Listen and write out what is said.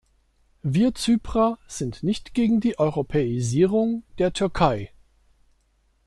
Wir Zyprer sind nicht gegen die Europäisierung der Türkei.